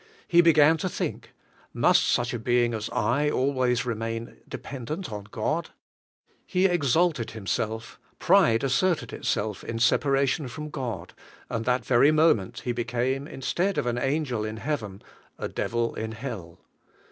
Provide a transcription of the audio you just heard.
He began to think: "Must such a be ing as I always remain dependent on God?" 30 THE SELF LIFE He exalted himself, pride asserted itself in sepa ration from God, and that very moment he be came, instead of an angel in Heaven, a devil in hell.